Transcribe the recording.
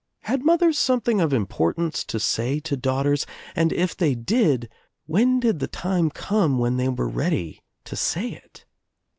Had mothers something of importance to say to daughters and if they did when did the time < come when they were ready to say it?